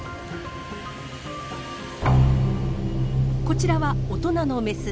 こちらは大人のメス。